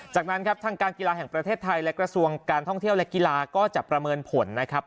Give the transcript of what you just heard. จากนั้นครับทางการกีฬาแห่งประเทศไทยและกระทรวงการท่องเที่ยวและกีฬาก็จะประเมินผลนะครับ